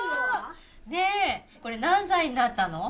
これ何歳になったの？